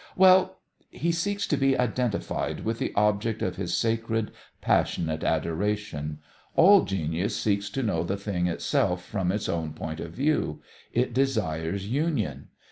Well, he seeks to be identified with the object of his sacred, passionate adoration. All genius seeks to know the thing itself from its own point of view. It desires union.